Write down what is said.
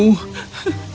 oh aku hampir lupa